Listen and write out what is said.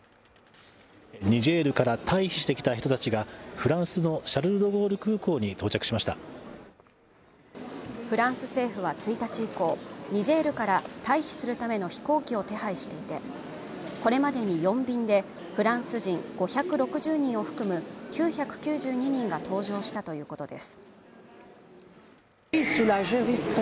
ニジェールから退避してきた人たちがフランスのシャルル・ド・ゴール空港に到着しましたフランス政府は１日以降ニジェールから退避するための飛行機を手配していて、これまでに４便でフランス人５６０人を含む９９２人が搭乗したということです